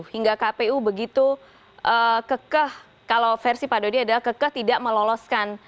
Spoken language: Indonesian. hingga kpu begitu kekeh kalau versi pak dodi adalah kekeh tidak meloloskan